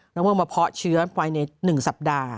เราก็มาเพาะเชื้อไว้ใน๑สัปดาห์